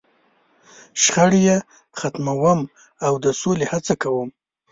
.شخړې یې ختموم، او د سولې هڅه کوم.